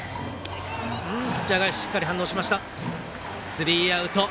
スリーアウト。